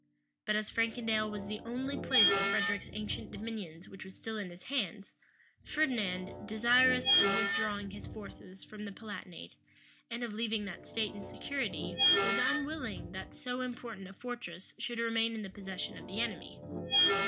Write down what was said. But as Frankendale was the only place of Frederic's ancient dominions which was still in his hands, Ferdinand, desirous of withdrawing his forces from the Palatinate, and of leaving that state in security was unwilling that so important a fortress should remain in the possession of the enemy.